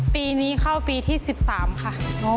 ปีนี้เข้าปีที่๑๓ค่ะ